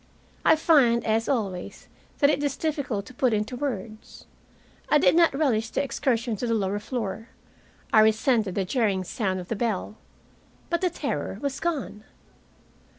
I find, as always, that it is difficult to put into words. I did not relish the excursion to the lower floor. I resented the jarring sound of the bell. But the terror was gone.